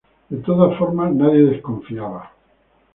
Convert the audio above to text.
De todas formas, nadie desconfiaba.